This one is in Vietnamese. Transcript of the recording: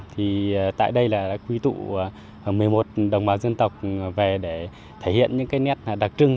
thì tại đây là đã quy tụ một mươi một đồng bào dân tộc về để thể hiện những cái nét đặc trưng